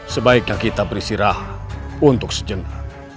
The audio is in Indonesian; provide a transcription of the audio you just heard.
sebaiknya kita beristirahat untuk sejenak